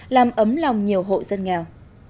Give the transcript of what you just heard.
làm ấm lòng nhiều hộ dân nghèo